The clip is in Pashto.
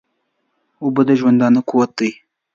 اوبه د ژوندانه قوت دي